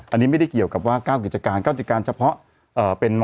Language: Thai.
อันนี้ไม่ได้เกี่ยวกับว่า๙กิจการ๙กิจการเฉพาะเป็นม